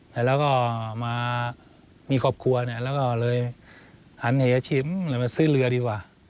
แล้วมามีครอบครัวแล้วเลยหันเหตุอาชีพมาซื้อเรือดีกว่า